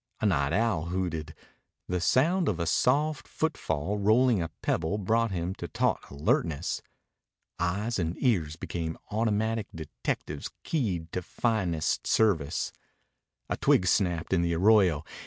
A night owl hooted. The sound of a soft footfall rolling a pebble brought him to taut alertness. Eyes and ears became automatic detectives keyed to finest service. A twig snapped in the arroyo.